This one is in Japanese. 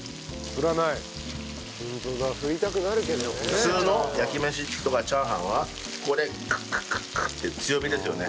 普通の焼き飯とか炒飯はこれカッカッカッカッて強火ですよね。